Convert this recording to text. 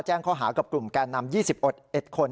แจ้งข้อหากับกลุ่มแกนนำ๒๑๑คน